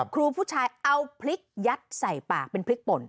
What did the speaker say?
ครูผู้ชายเอาพริกยัดใส่ปากเป็นพริกป่น